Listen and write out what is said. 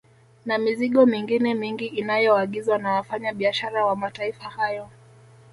Na mizigo mingine mingi inayoagizwa na wafanya biashara wa mataifa hayo